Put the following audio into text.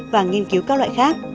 và nghiên cứu các loại khác